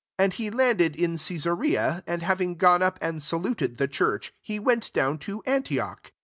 And he landed at Caesarea, and having gone up and saluted the church, he went down to Antioch.